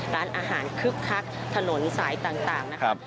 ร้านอาหารคึกคักถนนสายต่างนะครับ